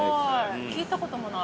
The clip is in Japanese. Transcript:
聞いたこともない。